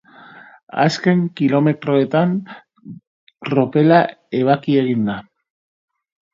Azken kilometroetan tropela ebaki egin da.